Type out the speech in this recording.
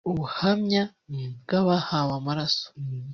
ubuhamya bw’abahawe amaraso